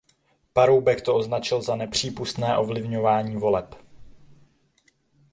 Paroubek to označil za nepřípustné ovlivňování voleb.